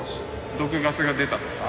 毒ガスが出たとか